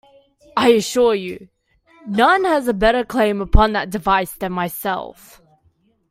I assure you, none has a better claim upon that device than myself.